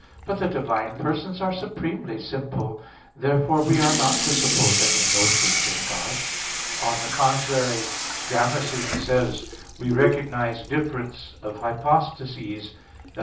But the divine persons are supremely simple. Therefore we are not to suppose any notions in God. On the contrary, Damascene says (De Fide Orth. iii, 5): "We recognize difference of hypostases [i.